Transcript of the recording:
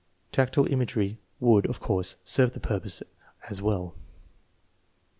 Tactual imagery would, of course, serve the purpose as well.